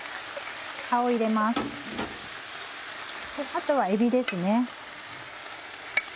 あとはえびですね。